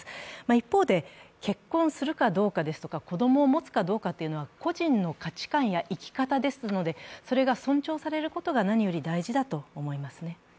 一方で結婚するかどうかとか子供を持つかどうかというのは個人の価値観や生き方ですのでそれが尊重されることが何より大事だと思いますね。